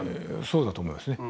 そうだと思いますね。